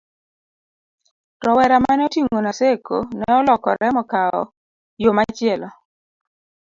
rowera mane oting'o Naseko ne olokore mokawo yo machielo